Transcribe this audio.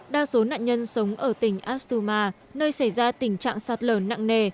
đa số nạn nhân sống ở tỉnh asuma nơi xảy ra tình trạng sạt lở nặng nề